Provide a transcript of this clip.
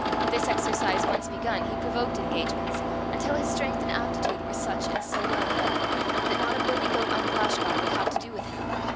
This exercise once begun, he provoked engagements, until his strength and aptitude were such and so well known, that not a billy goat on Glashgar would have to do with him.